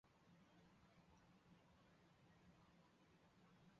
不过莱纳并非单纯的复写眼持有者所以是例外。